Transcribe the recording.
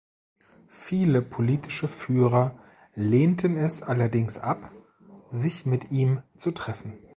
Viele politische Führer lehnten es allerdings ab, sich mit ihm zu treffen.